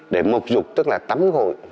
để mộc dục tức là tắm hội